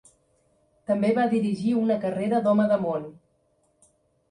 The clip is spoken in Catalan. També va dirigir una carrera d'home de món.